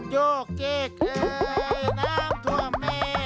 โยเกกน้ำทั่วแม่